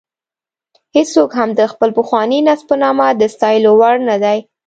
هېڅوک هم د خپل پخواني نسب په نامه د ستایلو وړ نه دی.